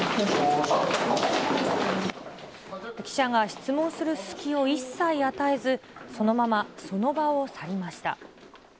記者が質問する隙を一切与えず、そのままその場を去りました。